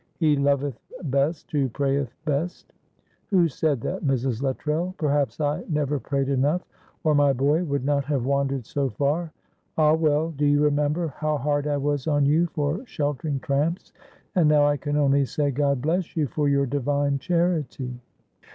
'He loveth best who prayeth best.' Who said that, Mrs. Luttrell? Perhaps I never prayed enough, or my boy would not have wandered so far. Ah, well, do you remember how hard I was on you for sheltering tramps, and now I can only say, God bless you for your divine charity."